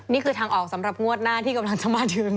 นี่คือทางออกสำหรับงวดหน้าที่กำลังจะมาถึง